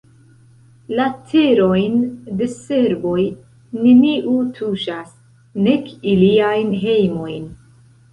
La terojn de serboj neniu tuŝas, nek iliajn hejmojn.